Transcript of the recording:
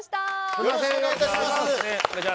よろしくお願いします。